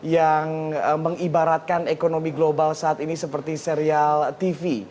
yang mengibaratkan ekonomi global saat ini seperti serial tv